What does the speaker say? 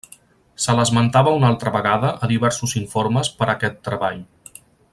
Se l'esmentava una altra vegada a diversos informes per a aquest treball.